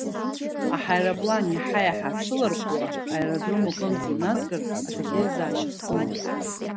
Аҳаирплан иаҳа-иаҳа аҽыларҟәуа, аеродром аҟынӡа иназгартә аҭагылазаашьа сыман.